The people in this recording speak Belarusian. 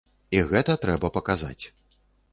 І гэта трэба паказаць.